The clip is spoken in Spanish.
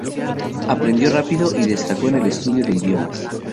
Aprendió rápido y destacó en el estudio de idiomas.